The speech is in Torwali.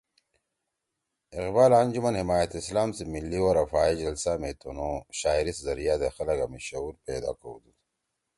اقبال انجمن حمایت اسلام سی ملّی او رفاعی جلسہ می تنُو شاعری سی زریعہ دے خلَگا می شعور پیدا کؤدُود